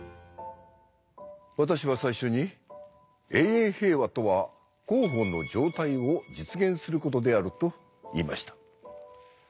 私は最初に永遠平和とは「公法の状態」を実現する事であると言いました。